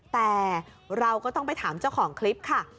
แต่เราก็ต้องไปถามเจ้าของคลิปค่ะ